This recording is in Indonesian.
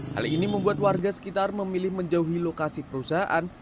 hal ini membuat warga sekitar memilih menjauhi lokasi perusahaan